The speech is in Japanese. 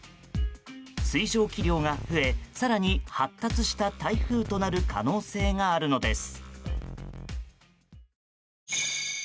水蒸気量が増え、更に発達した台風となる可能性があるのです。